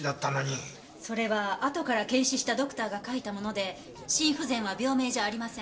それは後から検視したドクターが書いたもので心不全は病名じゃありません。